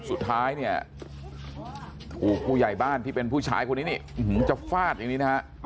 ผู้หญิงที่ถือไม้ขำยันอยู่สุดท้ายผู้ใหญ่บ้านที่เป็นผู้ชายคนนี้จะฟาดอย่างนี้